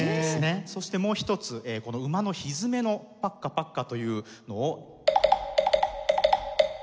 そしてもう一つ馬の蹄のパッカパッカというのを。